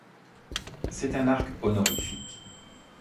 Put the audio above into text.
C'est un arc honorifique.